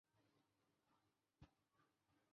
台湾地区多采用后者。